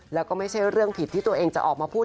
แล้วก็ไม่ใช่เรื่องผิดที่ตัวเองจะออกมาพูด